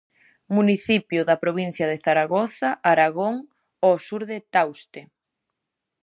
Municipio da provincia de Zaragoza, Aragón, ao sur de Tauste.